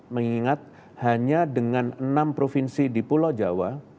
mengingat hanya dengan enam provinsi di pulau jawa